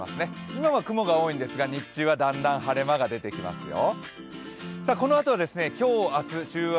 今は雲が多いんですが日中はだんだん晴れ間が出てきますよ。